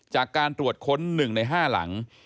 จากการตรวจค้นหนึ่งในห้าหลัง